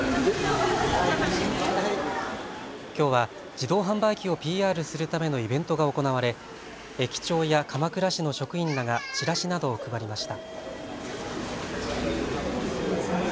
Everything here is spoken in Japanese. きょうは自動販売機をＰＲするためのイベントが行われ駅長や鎌倉市の職員らがチラシなどを配りました。